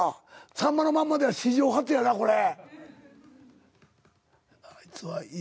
『さんまのまんま』では史上初やなこれ。